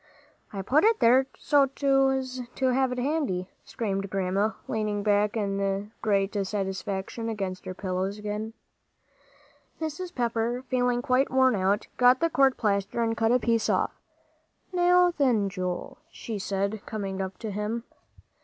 "I put it there so's to have it handy," screamed Grandma, leaning back in great satisfaction against her pillows again. Mrs. Pepper, feeling quite worn out, got the court plaster and cut off a piece. "Now then, Joel," she said, coming up to him.